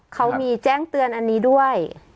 เขามีแจ้งเตือนอันนี้ด้วย